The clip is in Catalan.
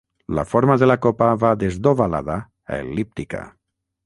La forma de la copa va des d'ovalada a el·líptica.